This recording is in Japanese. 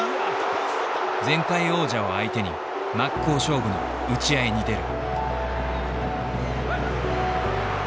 前回王者を相手に真っ向勝負の打ち合いに出る。